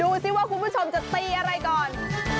ดูสิว่าคุณผู้ชมจะตีอะไรก่อน